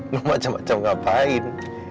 lu macem macem ngapain